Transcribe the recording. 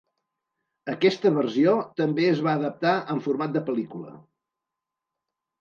Aquesta versió també es va adaptar en format de pel·lícula.